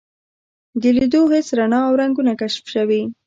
د لیدو حس رڼا او رنګونه کشفوي.